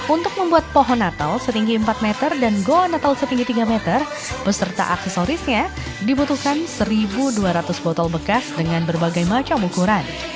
untuk membuat pohon natal setinggi empat meter dan goa natal setinggi tiga meter beserta aksesorisnya dibutuhkan satu dua ratus botol bekas dengan berbagai macam ukuran